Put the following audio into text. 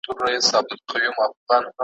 بل جهان بل به نظام وي چي پوهېږو `